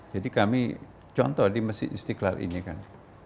jadi kami contoh di mesir istiqlal ini kan